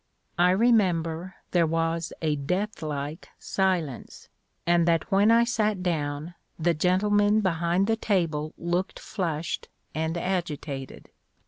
I remember there was a deathlike silence, and that when I sat down the gentlemen behind the table looked flushed and agitated.